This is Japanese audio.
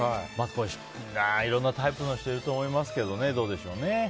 いろんなタイプの人がいると思いますがどうでしょうね。